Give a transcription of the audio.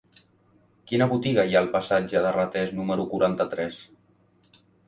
Quina botiga hi ha al passatge de Ratés número quaranta-tres?